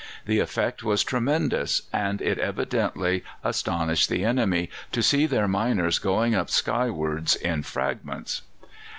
The effect was tremendous, and it evidently astonished the enemy to see their miners going up skywards in fragments.